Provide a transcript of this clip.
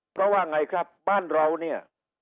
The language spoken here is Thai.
เพราะว่าไงครับบ้านเราเนี่ย